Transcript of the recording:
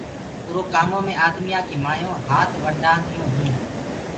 اُرو ڪآمو مي آدميآ ڪي مايونٚ هآت ونڊآ دِيونٚ هينٚ۔